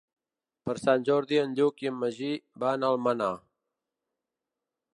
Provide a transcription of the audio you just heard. Per Sant Jordi en Lluc i en Magí van a Almenar.